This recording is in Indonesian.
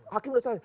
hakim sudah selesai